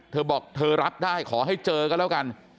เธอบอกเธอรับได้ขอให้เจอก็แล้วกัน